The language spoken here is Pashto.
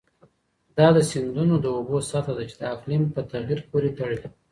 دا د سیندونو د اوبو سطحه ده چې د اقلیم په تغیر پورې تړلې.